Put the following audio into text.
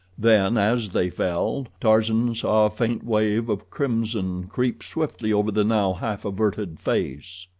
Then, as they fell, Tarzan saw a faint wave of crimson creep swiftly over the now half averted face.